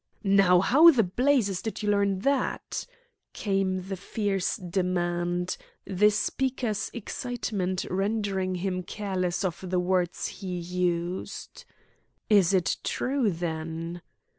"Now, how the blazes did you learn that?" came the fierce demand, the speaker's excitement rendering him careless of the words he used. "It is true, then?"